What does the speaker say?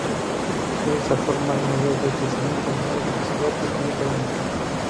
De esta forma, a mayor deslizamiento, menor velocidad mecánica del motor.